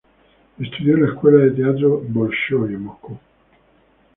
Estudió en la Escuela del Teatro Bolshói en Moscú.